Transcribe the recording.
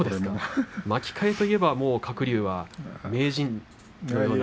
巻き替えといえば鶴竜は名人のような。